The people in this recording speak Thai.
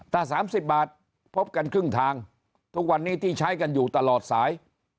ถ้า๓๐บาทพบกันครึ่งทางทุกวันนี้ที่ใช้กันอยู่ตลอดสาย